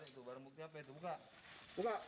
tunggu tarik tuh barang bukti apa itu buka